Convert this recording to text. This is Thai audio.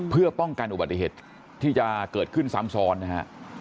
เพื่อป้องกันอุบัติเหตุที่จะเกิดขึ้นซ้ำซ้อนนะฮะ